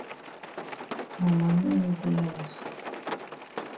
Ma mami no dey haus.